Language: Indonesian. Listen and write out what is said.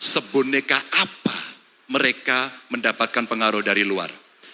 seboneka apa mereka mendapatkan pengaruh dari luar